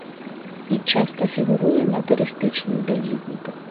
І часта фігуруе на турыстычных даведніках.